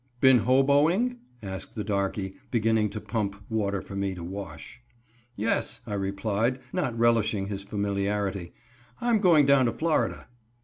"Been hoboing?" asked the darkey, beginning to pump water for me to wash. "Yes," I replied, not relishing his familiarity, "I'm going down to Florida."